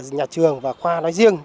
nhà trường và khoa nói riêng